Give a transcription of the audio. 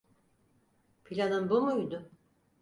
Planın bu muydu?